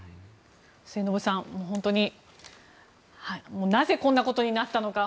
末延さん、本当になぜ、こんなことになったのか